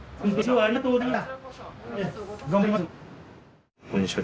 ありがとうございます。